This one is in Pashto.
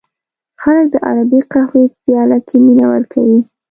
خلک د عربی قهوې په پیاله کې مینه ورکوي.